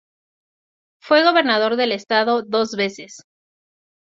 Fue gobernador del Estado dos veces.